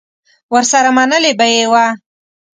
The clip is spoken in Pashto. ورسره منلې به یې وه